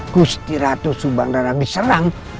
gusti ratu subang lerang diserang